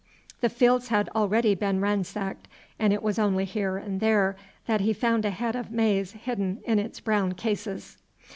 The fields had already been ransacked, and it was only here and there that he found a head of maize hidden in its brown cases.